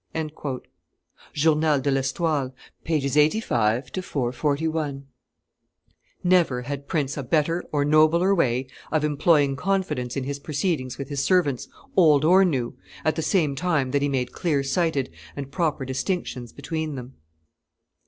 [Journal de L'Estoile, t. iii. pp. 85 441.] Never had prince a better or nobler way of employing confidence in his proceedings with his servants, old or new, at the same time that he made clear sighted and proper distinctions between them.